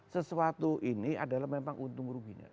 sesuatu ini adalah memang untung ruginya